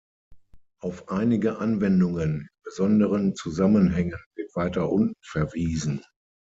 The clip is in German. Auf einige Anwendungen in besonderen Zusammenhängen wird weiter unten verwiesen.